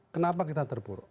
kenapa kita terburuk